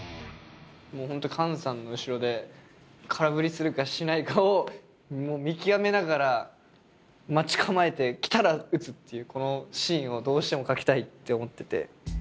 もう本当にカンさんの後ろで空振りするかしないかを見極めながら待ち構えて来たら打つっていうこのシーンをどうしても書きたいって思ってて。